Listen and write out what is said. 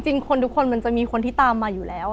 คนทุกคนมันจะมีคนที่ตามมาอยู่แล้ว